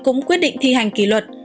cũng quyết định thi hành kỷ luật